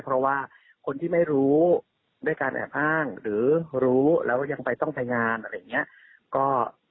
เพราะว่าคนที่ไม่รู้ด้วยการแอบอ้างหรือรู้แล้วยังไปต้องไปงานอะไรอย่างนี้